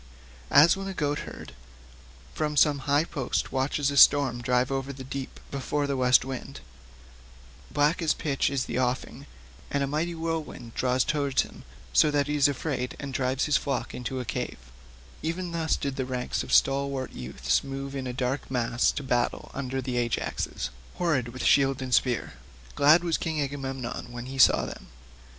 As when a goat herd from some high post watches a storm drive over the deep before the west wind—black as pitch is the offing and a mighty whirlwind draws towards him, so that he is afraid and drives his flock into a cave—even thus did the ranks of stalwart youths move in a dark mass to battle under the Ajaxes, horrid with shield and spear. Glad was King Agamemnon when he saw them.